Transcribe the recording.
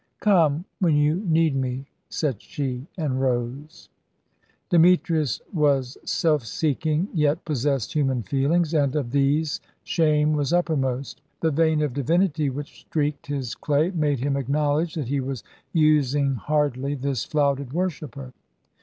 "Come when you need me," said she, and rose. Demetrius was self seeking, yet possessed human feelings, and of these shame was uppermost. The vein of divinity which streaked his clay made him acknowledge that he was using hardly this flouted worshipper.